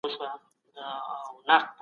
ايا تعقل مهم دی؟